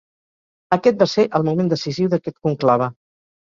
Aquest va ser el moment decisiu d'aquest conclave.